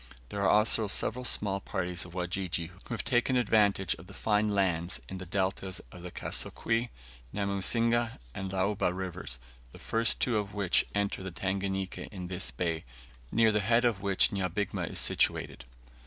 There are also several small parties of Wajiji, who have taken advantage of the fine lands in the deltas of the Kasokwe, Namusinga, and Luaba Rivers, the two first of which enter the Tanganika in this bay, near the head of which Nyabigma is situated.